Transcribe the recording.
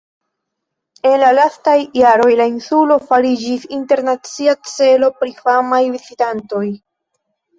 En la lastaj jaroj, la insulo fariĝis internacia celo pri famaj vizitantoj.